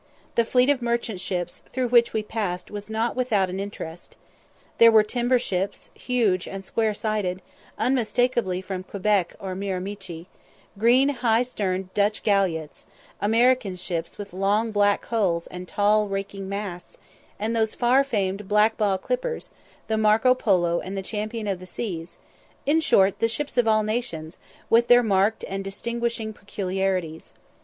The fleet of merchant ships through which we passed was not without an interest. There were timber ships, huge and square sided, unmistakeably from Quebec or Miramichi green high sterned Dutch galliots American ships with long black hulls and tall raking masts and those far famed "Black Ball" clippers, the Marco Polo and the Champion of the Seas, in short, the ships of all nations, with their marked and distinguishing peculiarities.